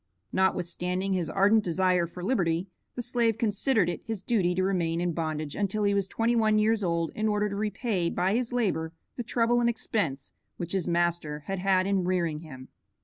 Notwithstanding his ardent desire for liberty, the slave considered it his duty to remain in bondage until he was twenty one years old in order to repay by his labor the trouble and expense which his master had had in rearing him.